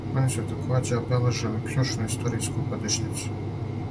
Они су такође обележили кључну историјску годишњицу.